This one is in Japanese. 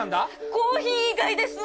コーヒー以外です！